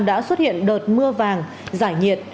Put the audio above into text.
đã xuất hiện đợt mưa vàng giải nhiệt